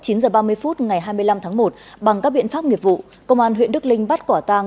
chín h ba mươi phút ngày hai mươi năm tháng một bằng các biện pháp nghiệp vụ công an huyện đức linh bắt quả tang